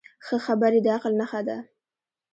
ښه خبرې د عقل نښه ده